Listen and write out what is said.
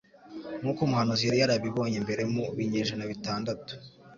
nkuko umuhanuzi yari yarabibonye mbere mu binyejana bitandatu